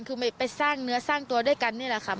คือไปสร้างเนื้อสร้างตัวด้วยกันนี่แหละค่ะ